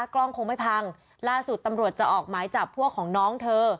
กล้องคงไม่พังล่าสุดตำรวจจะออกหมายจับพวกของน้องเธอ